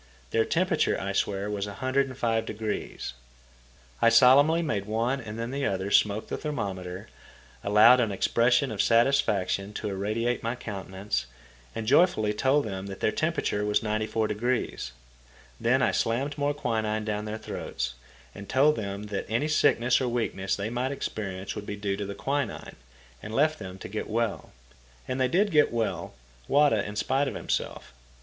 Their temperature I swear was 105°. I solemnly made one and then the other smoke the thermometer, allowed an expression of satisfaction to irradiate my countenance, and joyfully told them that their temperature was 94°. Then I slammed more quinine down their throats, told them that any sickness or weakness they might experience would be due to the quinine, and left them to get well. And they did get well, Wada in spite of himself.